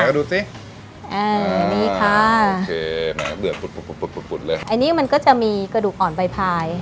ก็ดูสิอ่านี่ค่ะโอเคแหมเดือดปุดเลยอันนี้มันก็จะมีกระดูกอ่อนใบพาย